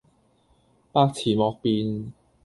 百辭莫辯